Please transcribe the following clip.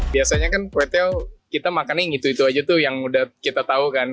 biasanya kan kue tiaw kita makannya yang itu itu aja tuh yang udah kita tahu kan